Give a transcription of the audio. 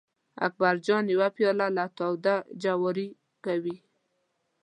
اکبر جان یو پیاله له تاوده جواري کوي.